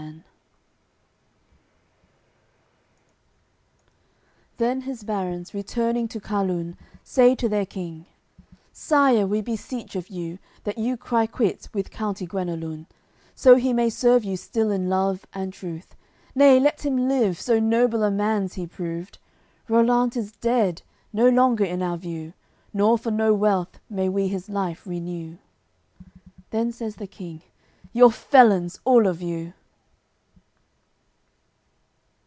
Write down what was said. CCLXXVI Then his barons, returning to Carlun, Say to their King: "Sire, we beseech of you That you cry quits with county Guenelun, So he may serve you still in love and truth; Nay let him live, so noble a man 's he proved. Rollant is dead, no longer in our view, Nor for no wealth may we his life renew." Then says the King: "You're felons all of you!"